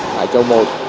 tại châu một